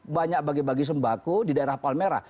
banyak bagi bagi sembako di daerah palmerah